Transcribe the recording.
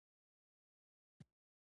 ښوونځی د ادب ښوونکی دی